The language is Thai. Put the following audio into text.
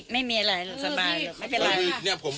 ไม่มีอะไรสบายไม่เป็นไร